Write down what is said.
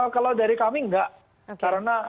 kalau dari kami enggak